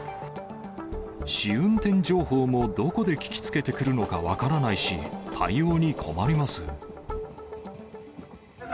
試運転情報も、どこで聞きつけてくるのか分からないし、対応に困ります。